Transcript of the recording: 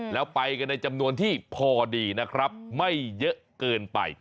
แล้วไปกันในจำนวนที่พอดีนะครับไม่เยอะเกินไป